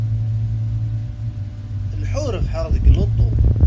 Iḥḥu! Rebḥeɣ deg luṭu.